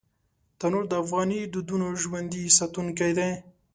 تنور د افغاني دودونو ژوندي ساتونکی دی